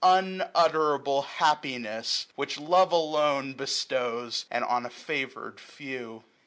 Unutterable happiness ! which love 945 Alone, bestows, and on a favoured few.